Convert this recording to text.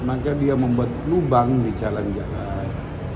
maka dia membuat lubang di jalan jalan